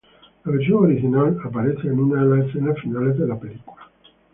La versión original aparece en una de las escenas finales de la película.